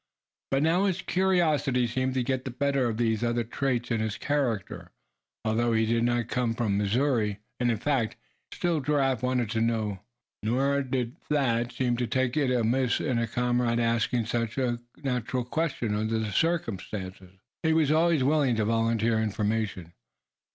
But now his curiosity seemed to get the better of these other traits in his character. Although he did not come from Missouri, and in fact had never seen the sacred soil of that grand state, still Giraffe "wanted to know." Nor did Thad seem to take it amiss in a comrade asking such a natural question, under the circumstances. He was always willing to volunteer information.